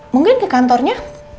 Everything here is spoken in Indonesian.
mungkin ke kantornya